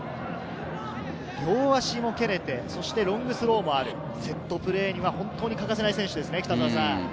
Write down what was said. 両足も蹴れて、ロングスローもある、セットプレーには本当に欠かせない選手です。